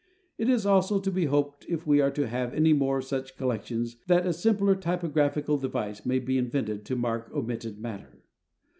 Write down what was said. It is also to be hoped if we are to have any more of such collections, that a simpler typographical device may be invented to mark omitted matter.